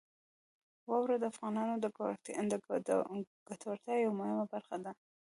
واوره د افغانانو د ګټورتیا یوه مهمه برخه ده.